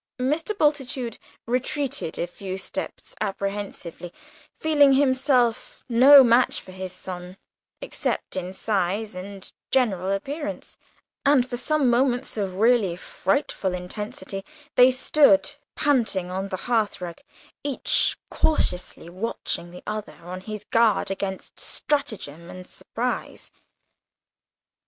Mr. Bultitude retreated a few steps apprehensively, feeling himself no match for his son, except in size and general appearance; and for some moments of really frightful intensity they stood panting on the hearth rug, each cautiously watching the other, on his guard against stratagem and surprise.